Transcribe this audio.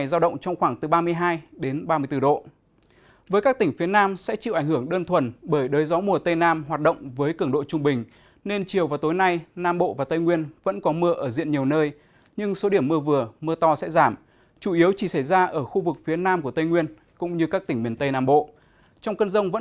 giá lợn tại miền bắc tiếp tục đà giảm giao động trong khoảng từ bảy mươi tám đến tám mươi hai đồng một kg